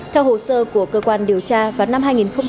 theo hồ sơ của cơ quan điều tra vào năm hai nghìn một mươi